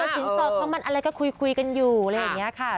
สินสอดคอมันอะไรก็คุยกันอยู่อะไรอย่างนี้ค่ะ